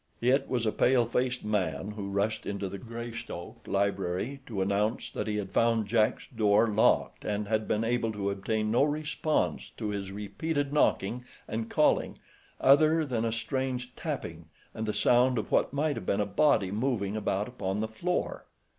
It was a pale faced man who rushed into the Greystoke library to announce that he had found Jack's door locked and had been able to obtain no response to his repeated knocking and calling other than a strange tapping and the sound of what might have been a body moving about upon the floor.